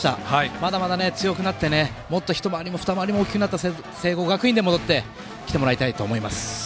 まだまだ強くなって一回りも二回りも大きくなった聖光学院に戻ってきてもらいたいと思います。